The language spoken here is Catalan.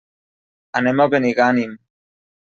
Anem a Benigànim.